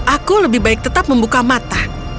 aku lebih baik tetap membuka mata